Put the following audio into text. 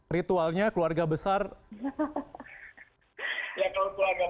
ritualnya keluarga besar melaksanakan hidup fitri